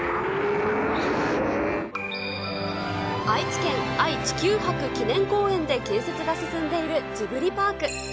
愛知県、愛・地球博記念公園で建設が進んでいるジブリパーク。